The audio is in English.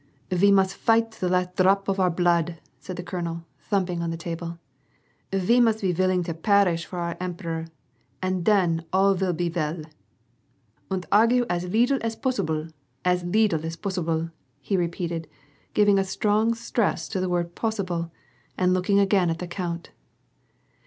" Ve must fight to the last dr r rop of our blood," said the colonel, thumping on the table; "ve must be villing to per r r rish for our emperor, and then all vill be veil. And argue as leedle as po oo sible, as leedle as po <^)Ssible," he repeated, giving a strong stress to the word i)OSsible, and looking again at the count.